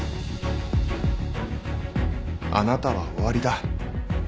あなたは終わりだ。